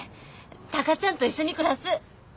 タカちゃんと一緒に暮らす！